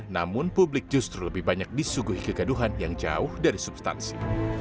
namun publik justru lebih banyak disuguhi kegaduhan yang jauh dari substansi